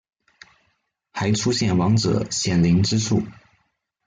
還出現亡者顯靈之術